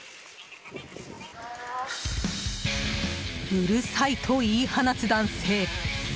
うるさいと言い放つ男性。